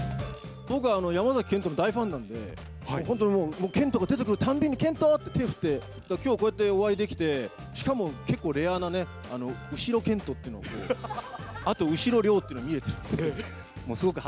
僕は山崎賢人の大ファンなんで、本当にもう、賢人が出てくるたんびに、賢人って手を振って、きょうこうやってお会いできて、しかも結構レアなね、後ろ賢人っていうのを、あと後ろ亮っていうのが見えて。